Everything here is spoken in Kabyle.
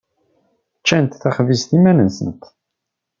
Ččant taxbizt iman-nsent.